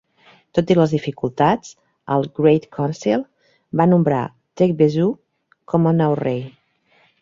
Tot i les dificultats, el Great Council va nombrar Tegbessou com al nou rei.